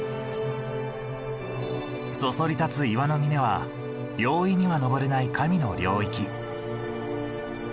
そそり立つ岩の峰は容易には登れない神の領域。